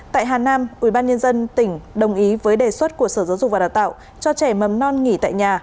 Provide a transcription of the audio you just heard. tại hà nam ubnd tỉnh đồng ý với đề xuất của sở giáo dục và đào tạo cho trẻ mầm non nghỉ tại nhà